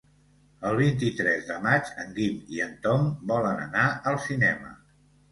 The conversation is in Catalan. El vint-i-tres de maig en Guim i en Tom volen anar al cinema.